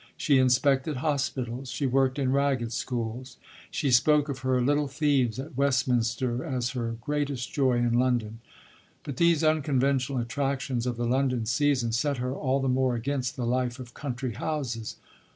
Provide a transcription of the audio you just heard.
She inspected hospitals. She worked in Ragged Schools. She spoke of her "little thieves at Westminster" as her "greatest joy in London." But these unconventional attractions of the London season set her all the more against the life of country houses.